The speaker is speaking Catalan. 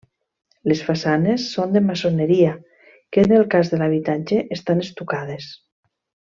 Les façanes són de maçoneria, que en el cas de l'habitatge estan estucades.